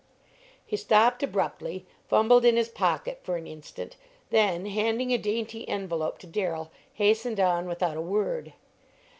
He stopped abruptly, fumbled in his pocket for an instant, then, handing a dainty envelope to Darrell, hastened on without a word.